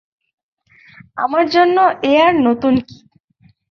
আমার জন্য এ আর নতুন কি।